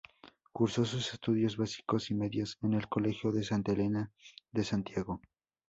Cursó sus estudios básicos y medios en el Colegio Santa Elena de Santiago.